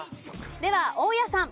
では大家さん。